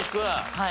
はい。